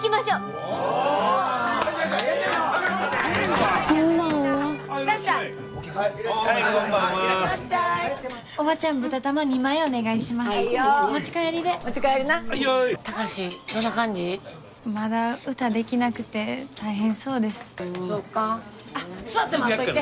あっ座って待っといて。